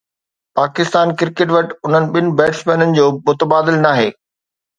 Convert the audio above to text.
Pakistan cricket وٽ انهن ٻن بيٽسمينن جو متبادل ناهي